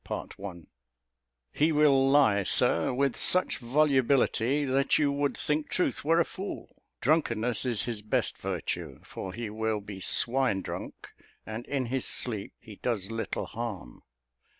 Chapter XVII He will lie, Sir, with such volubility, that you would think truth were a fool: drunkenness is his best virtue; for he will be swine drunk; and in his sleep he does little harm.